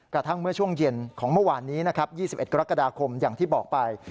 กระทั่งเมื่อช่วงเย็นของเมื่อวานนี้นะครับ๒๑กรกฎาคมอย่างที่บอกไป